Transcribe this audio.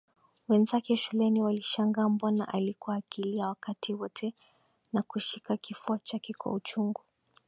Wenzake shuleni walishangaa mbona alikuwa akilia wakati wote na kushika kifua chake kwa uchungu